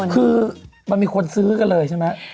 คือมันมีคนซื้อกันเลยใช่ไหม